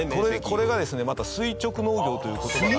これがですねまた垂直農業という言葉が。